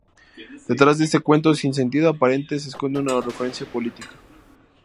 Detrás de este cuento sin sentido aparente se esconde una referencia política.